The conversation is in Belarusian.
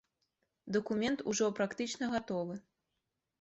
Дакумент ужо практычна гатовы.